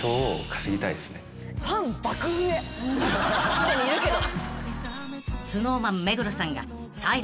すでにいるけど。